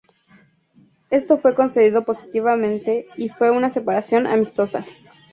Esto fue concedido positivamente y fue una separación amistosa.